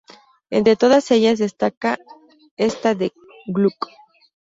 Entre todas ellas, destaca esta de Gluck.